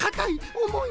おもい！